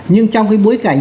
nhưng trong cái bối cảnh